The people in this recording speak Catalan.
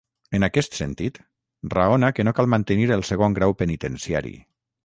En aquest sentit, raona que no cal mantenir el segon grau penitenciari.